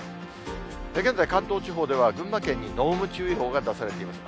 現在、関東地方では群馬県に濃霧注意報が出されています。